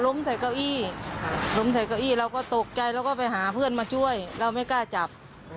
ลำใจเก้าอี้เราก็ตกใจเราก็ไปหาเพื่อนมาช่วยแล้วไม่กล้าจับ